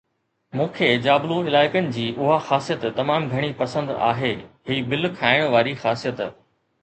مون کي جابلو علائقن جي اها خاصيت تمام گهڻي پسند آهي، هي بل کائڻ واري خاصيت